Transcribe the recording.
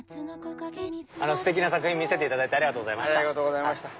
ステキな作品見せていただいてありがとうございました。